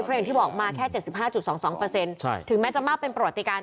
เพราะอย่างที่บอกมาแค่๗๕๒๒ถึงแม้จะมากเป็นประวัติการ